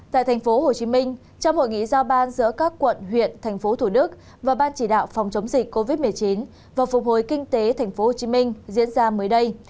tại thành phố hồ chí minh trong hội nghị giao ban giữa các quận huyện thành phố thủ đức và ban chỉ đạo phòng chống dịch covid một mươi chín và phục hồi kinh tế thành phố hồ chí minh diễn ra mới đây